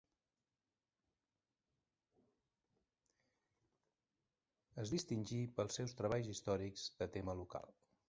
Es distingí pels seus treballs històrics de tema local.